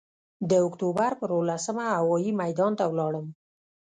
د اکتوبر پر اوولسمه هوايي میدان ته ولاړم.